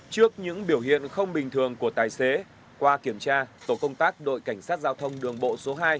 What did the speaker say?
trước những biểu hiện không bình thường của tài xế qua kiểm tra tổ công tác đội cảnh sát giao thông đường bộ số hai